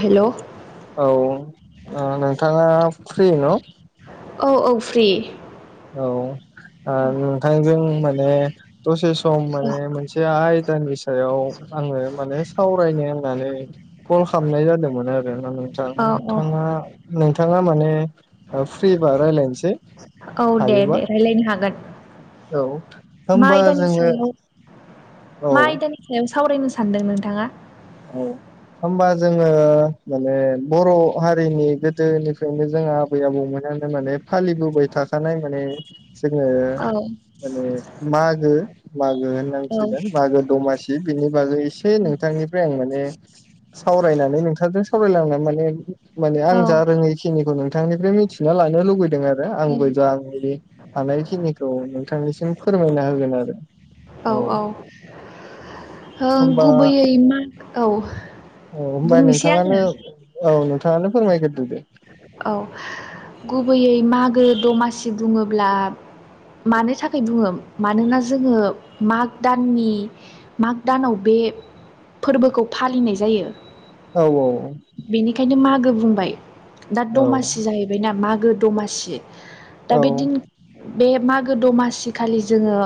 हेल' औ नोंथाङा फ्रि न' औ औ फ्रि औ ओ नोंथांजों माने दसे सम माने मोनसे आयदानि सायाव आङो माने सावरायनो होननानै कल खालामनाय जादोंमोन आरोना नोंथां औ औ नोंथाङा नोंथाङा माने फ्रि बा रायलायनोसै औ दे हायोबा दे रायज्लायनो औ हागोन मा होमबा आयदानि जोङो सायाव औ मा आयदानि सायाव सावरायनो सानदों नोंथाङा औ होमबा जोङो माने बर' हारिनि गोदोनिफ्रायनो जों आबै आबौमोनानो माने फालिबोबाय थाखानाय माने जोङो औ माने मागो मागो औ होननांसिगोन मागो दमासि बिनि बागै एसे नोंथांनि फ्राय माने सावरायनानै नोंथांजों सावरायलांना माने माने आं औ जा रोङै खिनिखौ नों नोंथांनिफ्राय मिथिना लानो लुुबैदों आरो आंबो जा आंनि हानायखिनिखौ नोंथांनिसिम फोरमायना होगोन आरो औ औ होमबा गुबैयै मा औ औ होनबा बुंनोसै आङो नोंथाङानो औ नोंथाङानो फोरमायग्रोदो दे औ गुबैयै मागो दमासि बुङोब्ला मानो थाखाय बुङो मानोना जोङो माग दाननि माग दानाव बे बे फोरबोखौ फालिनाय जायो। औ औ। बेनिखायनो मागो बुंबाय दा औ दमासि जाहैबायना मागो दमासि दा बे दिन बे मागो दमासि खालि जोङो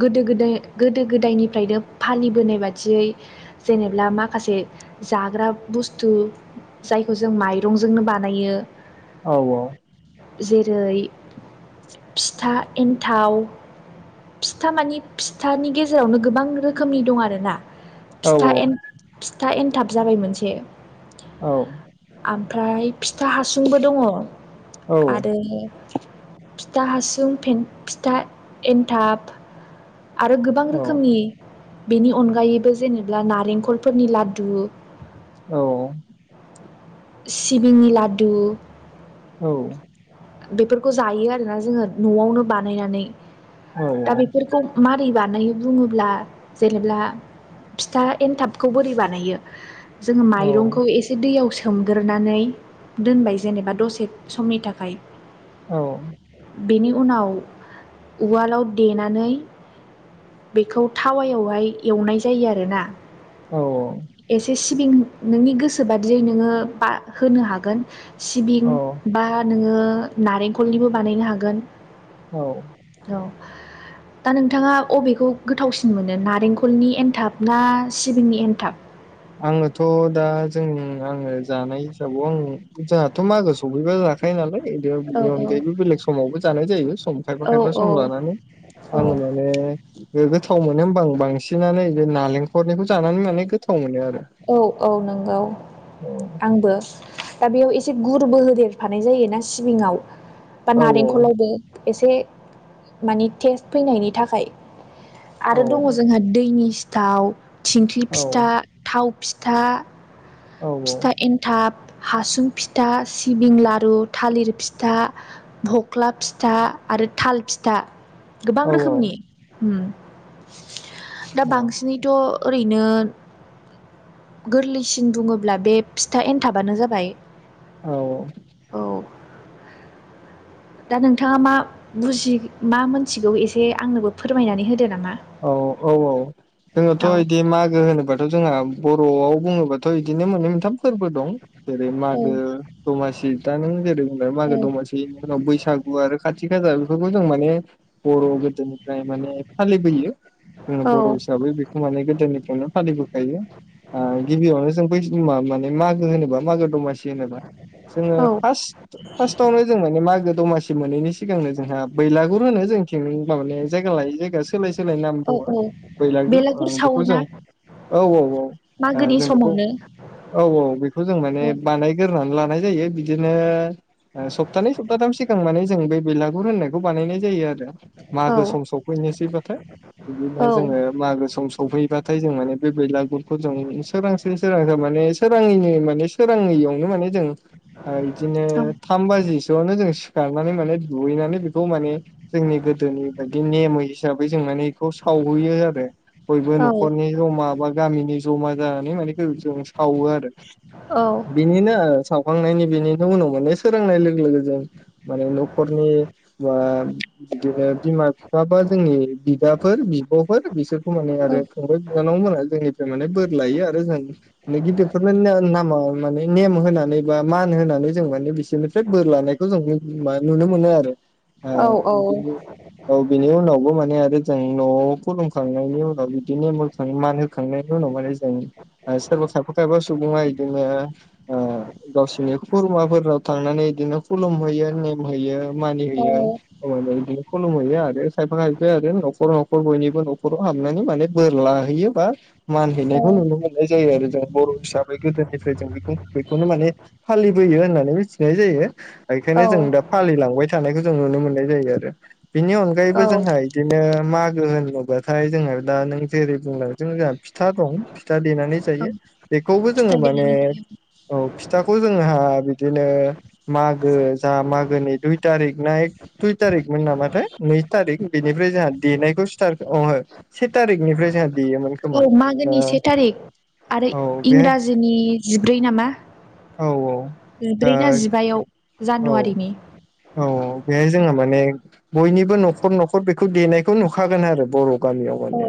गोदो गोदाय गोदो गोदायनिफ्रायनो फालिबोनाय बादियै जेनेब्ला माखासे जाग्रा बुस्थु जायखौ जों माइरंजोंनो बानायो। औ औ। जेरै फिथा एन्थाव। फिथा मानि फिथानि गेजेरावनो गोबां रोखोमनि दं आरो ना। औ फिथा एन्थ फिथा एनथाब जाबाय मोनसे। औ। ओमफ्राय फिथा हासुंबो दंङ आरो फिथा हासुं, फिथा एन्थाब आरो गोबां रोखोमनि बेनि अनगायैबो जेनेबा नारेंखलफोरनि लादु औ। सिबिंनि लाडु औ। बेफोरखौ जायो आरोना जोङो न'आवनो बानायनानै दा बेफोरखौ मारै बानाय नायो बुङोब्ला जेनेब्ला फिथा एन्थाबखौ बोरै बानायो? जोङो औ माइरंखौ एसे दैयाव सो सोमग्रोनानै दोनबाय जेनेबा दसे समनि थाखाय। औ। बेनि उनाव उवालाव देनानै बेखौ थावायावहाय एवनाय जायो आरोना औ एसे सिबिं नोंनि गोसो बादियै नोङो बा होनो हागोन। सिबिं औ बा नोङो नारेखलनिबो बानायनो हागोन। औ। औ दा नोंथाङा अबेखौ गोथावसिन मोनो नारेंखलनि एनथाब ना सिबिंनि एनथाब? आंङोथ दा जोंनि आंङो जानाय हिसाबाव आंङो जोंहाथ मागो सफैबा जाखायो नालाय बिदिनो औ बिनि औ अनगायैबो बेलेग समावबो जानाय जायो सम खायफा खायफा औ सम लानानै। औ आं माने गोथाव मोनो होमबा आं बांसिनानो बे नालेंखरनिखौ जानानै माने गोथाव मोनो आरो। औ औ नंगौ औ आंबो। दा बेयाव एसे गुरबो होदेरफानाय जायोना सिबिङाव बा नारेंखलावबो। एसे मानि टेस्ट फैनायनि थाखाय। औ आरो दङ जोंहा दैनि सिथाव थिंख्लि औ फिथा थाव फिथा औ फिथा एन्थाब हासुं फिथा, सिबिं लारु, थालिर फिथा, बख्ला फिथा आरो थाल फिथा। गोबां औ औ रोखोमनि उम्म दा औ बांसिनैथ ओरैनो गोरलैसिन बुङोब्ला बे फिथा एनथाबानो जाबाय। औ। औ दा नोंथाङा मा बुजि मा मोनथिगौ एसे आंनोबो फोरमायनानै होदो ना औ औ औ जोङोथ' औ इदि मागो होनोबाथ' जोंहा बर'आव बुङोबाथ' थ' इदिनो मोननै मोनथाम फोरबो दं जेरै मागो दमासि दा नों जेरै बुंबाय औ मागो दमासि। सि उनाव बैसागु आरो खाथि खासा बेफोरखौ जों माने बर' गोदोनिफ्राय माने फालि [unintelligible] जोङो औ बर' हिसाबै बेखौ माने गोदोनिफ्रायनो फालिबोखायो ओ गिबियावनो जों बै मा माने मागो होनोबा मागो दमासि जेनेबा जोङो औ फास्ट फार्स्टआवनो जों माने मागो दमासि मोनैनि सिगांनो जोंहा बैलागुर होनो जोंथि माने जायग लायै जायगा सोलाय सोलाय नाम औ बुङो औ बैलागुर बेलागुर बेखौ सावोना जों औ औ औ ओ मागोनि जों बेखौ समावनो औ औ बेखौ जों माने औ बानायग्रोनानै लानाय जायो बिदिनो ओ सप्तानै सप्ताथाम सिगां माने जों बैला गुर होननायखौ बानायनाय जायो आरो औ मागो सम सफैनोसैबाथाय। बिदिनो औ जोङो मागो सम सफैबाथाय जों माने बे बैलागुरखौ जों सोरांसि सोरांसा माने सोराङैनि माने सोराङैयावनो माने जों ओ इदिनो औ थाम बाजि सोयावनो जों सिखारनानै माने दुगैनानै बेखौ माने जोंनि गोदोनि बायदि नेमै हिसाबै जों माने बेखौ सावहैयो आरो बयबो औ नखरनि जमा बा गामिनि जमा जानानै माने जों सावो आरो औ बिनिनो ओ सावखांनायनि बेनिनो उनाव मोने सोरोंनाय लोगो लोगो जों माने नखरनि बा बिदिनो बिमा बिफा बा जोंनि बिदाफोर बिब'फोर बिसोरखौ माने आरो फंबाय बिनानाव मोना जोंनिफ्राय माने बोर लायो आरो जों गिदिरफोरनो नामा माने नेम होनानै बा मान होनानै जों माने बि सोरफ्राय बोर लानायखौ जों नुनो मोनो आरो। औ औ औ [inaudible] औ बिनि उनावबो माने [unintelligible] न'आव खुलुमखांनायनि उनाव बिदिनो मखां मान होखांनायनि उनाव माने जों सोरबा खायफा खायफा सुबुङा बिदिनो ओ गावसिनि खुरमाफोराव थांनानै बिदिनो खुलुमहैयो नेम होयो मानि औ हैयो अ माने बिदिनो खलुम हैयो आरो खायफा खायफाया आरो न'खर न'खर बयनिबो न'खराव हाबनानै माने बोर लाहैयो बा मान औ हैैनायखौ नुनो मोननाय जायो आरो जों बर' हिसाबै गोदोनिफ्राय जों बेखौनो माने फा फालिबोयो होननानै मिथिनाय जायो औ बेखायनो जों दा फालिलांबाय थानायखौ जों नुनो मोननाय जायो आरो। बिनि औ अनगायैबो जोंहा इदि मागो होनोबाथाय जोंहा दा नों जेरै बुंलां जों जोंहा फिथा दं फिथा देनानै जायो बेखौबो जोङो खिथा माने देनानै होयो। औ फिथाखौ जोंहा बि दिनो मागो जा मागोनि दुइ तारिख ना एक दुइ थारिखमोन नामाथाय नै थारिख बि निफ्राय जोंहा देनायखौ स्टार्ट [unintelligible] से थारिखनिफ्राय जोंहा देयोमोन औ खोमा ओ मागोनि से थारिख आरो औ बेहाय इंराजिनि जिब्रै नामा औ औ जिब्रै ना जिबायाव ओ जानुवारिनि औ औ बेहाय जोङो माने बयनिबो न'खर न'खर बेखौ देनायखौ नुखागोन आरो बर' गामियाव औ माने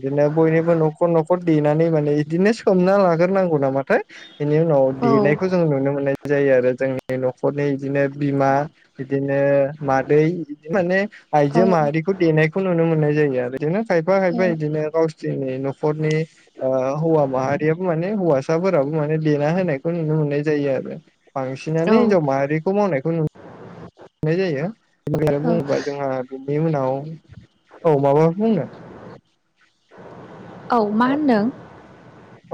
बिदिनो बयनिबो न'खर न'खर देनानै माने बिदिनो सोमना लाग्रोनांगौ नामाथाय बेनि उनाव औ देनायखौ जों नुनो मोननाय जायो आरो जोंनि न'खरनि बिदिनो बिमा बिदिनो मादै बिदि माने आयजो माहारिखौ देनायखौ नुनो मोननाय जायो आरो बिदिनो खायफा खायफा बिदिनो गावसोरनि न'खरनि ओ हौवा माहारियाबो माने हौवासाफोराबो माने देना होनायखौ नुनो मोन नाय जायो आरो औ बांसिनानो हिनजाव माहारिखौ मावनायखौ नु नाय जायो बेनिफ्राय आरो औ बुङोबा जोंहा बिनि उनाव औ माबा बुंनो? औ मा होनदों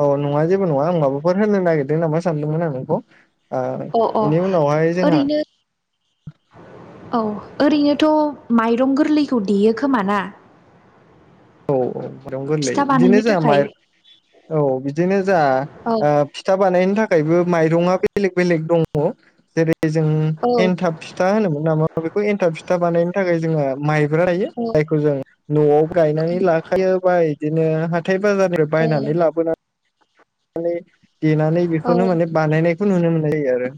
औ नङा जेबो नङा [unintelligible] बाफोर होनो नागिरदों नामा सानदोंमोन आं नोंखौ आ अ अ बेनि उनावहाय जोंहा ओरैनो औ ओरैनोथ' माइरं गोरलैखौ देयो खोमा ना औ औ माइरं गोरलै फिथा बिदिनो बानायनो जोंहा थाखाय माइ औ बिदिनो जा औ फिथा बानायनो थाखायबो माइरङा बेलेग बेलेग दङ औ सेर जों औ एन्थाब फिथा होनोमोन नामा बेखौ एनथाब फिथा बानायनो थाखाय जोङो माइब्रा लायो औ जायखौ जों न'आव गायनानै लाखायो बा बिदिनो हाथाय बाजारनिफ्राय बायनानै लाबोनानै माने देनानै औ बेखौनो माने बानायनायखौ नुनो मोननाय जायो आरो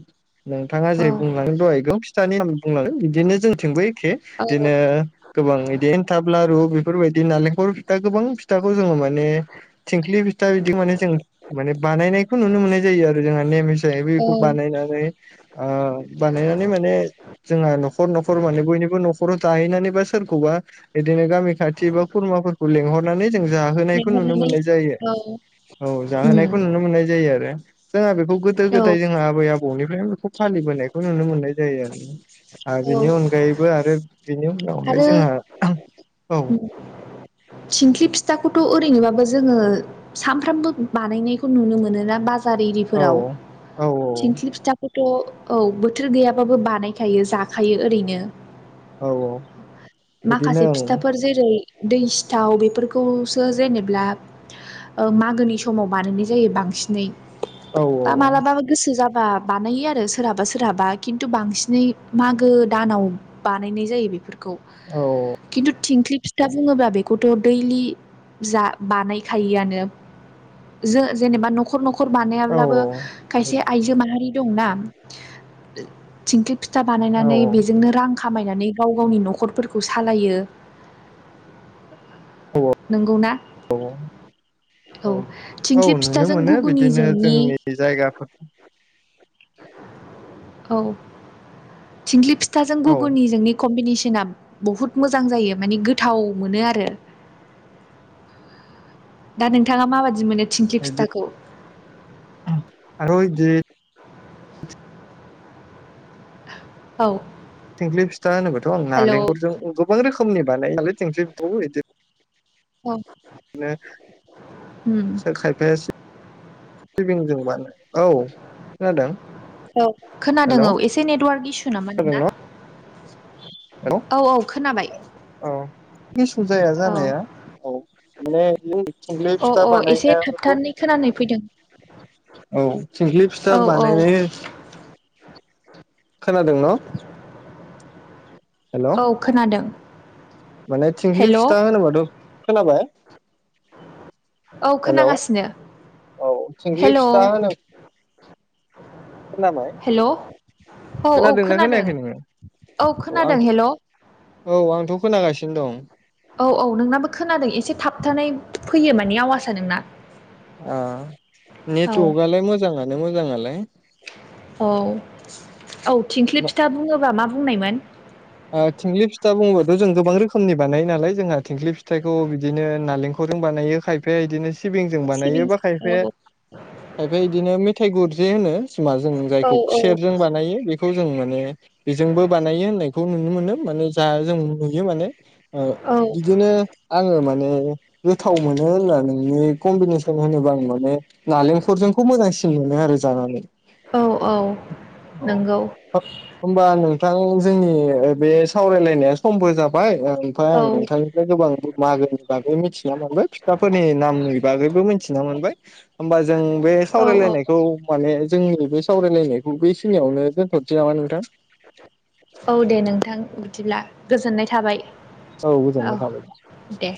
नोंथाङा औ जेरै बुंलां द एगं फिथानि बुं बिदिनो जोंथिंबो एखे बिदिनो औ गोबां बिदिन्थाब्लाारु बेफोरबायदि नालें नखर फिथा गोबां फिथाखौ जोङो माने थिंख्लि फिथा बिदि माने जों माने बानायनाय बेखौ नुनो मोननाय जायो आरो जोंहा नेम हिसाबै औ बेखौ बानायनानै ओ बानायनानै माने जोंहा न'खर न'खर माने बयनिबो न'खराव जाहैनानैबा सोरखौबा बिदिनो गामि खाथि बा खुरम फोरखौ लेंहरनानै जों जाहोनायखौ नुनो लिंहरनानै मोननाय जायो औ औ उम जाहोनायखौ नुनो मोननाय जायो आरो जोंहा बेखौ गोदो औ गोदाय जोंहा आबै आबौनिफ्रायनो बेखौ फालिबोनायखौ नुनो मोननाय जायो आरोना आरो औ बेनि अनगायैबो आरो बेनि उनावहाय आरो जोंहा औ थंख्लि फिथा खौथ' ओरैनोबाबो जोङो सानफ्रामबो बानायनायखौ नुनो मोनोना बा बाजार औ इरिफोराव औ थिंख्लि फिथाखौथ' औ बोथोर गैयाबाबो बानायखायो जाखायो ओरैनो। औ औ। माखासे बिदिनो फिथाफोर जेरै दै सिथाव बेफोरखौसो जेनेब्ला ओ मागोनि समाव बानायनाय जायो बांसिनै औ बा मालाबाबो गोसो जाब बा बानायो आरो सोरहाबा सोरहाबा खिन्थु बांसिनै मागो दानाव बानायनाय जायो बेफोरखौ। औ खिन्थु थिंख्लि फिथा बुङोब्ला बे खौथ' दैलि जा बानायखायोआनो जों जेनेबा न'खर न'खर न'खर औ बानायाब्लाबो खायसे आइजो माहारि दंना थिं फिथा औ बानायनानै बेजोंनो रां खामायनानै गाव गावनि न'खर फोरखौ सालायो। अ नंगौना औ। औ औ थिंख्लि नुनो फिथाजों मोनो बिदिनो गुगुनिजोंनि जोंनि जायगाफोर औ थिंग्लि फिथाजों औ गुगुनिजोंनि कम्बिनेसन ना बुहुत मोजां जायो माने गोथाव मोनो आरो। दा नोंथाङा माबादि मोनो? थिंख्लि फिथाखौ [unintelligible] औ। थिंख्लि फिथा होनोबथ' आं हेल' औ नालेंखलजों गोबां रोखोमनि बानाय नालाय थिंख्लि फिथाखौ बिदि औ। बिनो सोर खायफाया सिबिंजों बाना औ खोनादों औ खोनादों हेल' औ एसे नेटवार्क इसु नामा खोनादों नोंना ना? औ औ खोनाबाय। इसु जाया औ जानाया औ। माने अ [unintelligible] अ एसे बानायनायाबोथ' थाबथानानै खोनानाय फैदों औ थिंख्लि फिथा औ औ बानायनाय खोनादों न'? हेल' औ खोनादों माने थिंख्लि हेल' फिथा होनोबाथ' खोनाबाय? औ हेलौ खोनागासिनो औ थिंख्लि हेल' फिथा होनो खोनाबाय हेल'। औ औ खोनादोंना खोनादों खोनायाखै नोङो औ खोनादों हेल'। औ आंथ' खोनागासिनो दं। औ औ नोंनाबो खोनादों एसे थाबथानाय फैयो माने आवासआ नोंना। ओ औ नेटवर्कआलाय मोजाङानो मोजाङालाय। औ औ थिंख्लि फिथा बुङोबा मा बुंनायमोन? थिंख्लि फिथा बुङोबथ' जों गोबां रोखोमनि बानायो नालाय जोंहा थिंख्लि फिथाइखौ बिदिनो नालेंख रजों बानायो खायफाया इदिनो सिबिंजों सिबिं बानायो बा खायफाया औ खायफाया इदिनो मेथाइ गुरजे होनो सिमा जों जायखौ औ खुसेरजों बानायो बे खौ जों माने बेजोंबो बानायो होननायखौ नुनो मोनो माने जा जों नुयो माने। ओ औ बिदिनो आङो माने गोथाव मोनो होनना नोंनि कम्बिनेसन होनोबा आं माने नालेंखलजोंखौ मोजांसिन मोनो आरो जानानै। औ। औ औ नंगौ होनबा नोंथां? जोंनि बे सावरायलायनाया समबो जाबाय। ओमफ्राय औ आं नोंथांनिफ्राय गोबां मागोनि बागै मिथिना मोनबाय फिथाफोरनि नामनि बागैबो मि थिना मोनबाय होमबा जों बे औ औ सावरायलायनायखौ माने जोंनि बे सावरायलायनायखौ बेखिनियावनो दोनथ'निसै नामा नोंथां? औ दे नोंथां बिदिब्ला गोजोननाय थाबाय। औ गोजोननाय थाबाय। दे